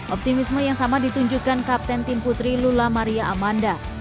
optimisme yang sama ditunjukkan kapten tim putri lula maria amanda